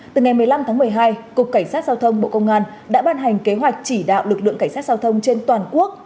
từ ngày một mươi năm tháng một mươi hai cục cảnh sát giao thông bộ công an đã ban hành kế hoạch chỉ đạo lực lượng cảnh sát giao thông trên toàn quốc